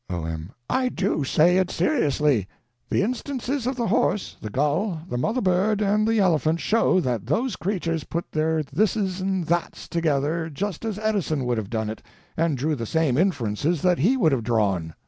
O.M. I do say it seriously. The instances of the horse, the gull, the mother bird, and the elephant show that those creatures put their this's and thats together just as Edison would have done it and drew the same inferences that he would have drawn.